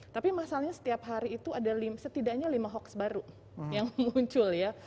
tapi masalahnya setiap hari itu ada setidaknya lima hoax baru yang muncul ya